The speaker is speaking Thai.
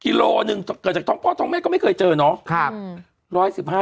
กิโลหนึ่งเกิดจากท้องพ่อท้องแม่ก็ไม่เคยเจอเนาะ